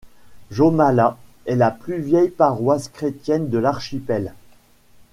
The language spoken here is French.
Jomala est la plus vieille paroisse chrétienne de l'archipel.